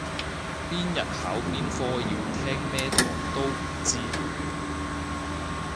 邊日考邊科要聽咩台都唔知